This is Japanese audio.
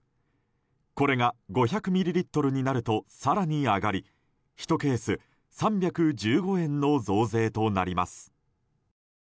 これが５００ミリリットルになると更に上がり１ケース３１５円の増税となります。